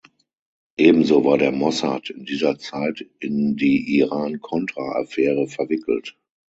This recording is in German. Ebenso war der Mossad in dieser Zeit in die Iran-Contra-Affäre verwickelt.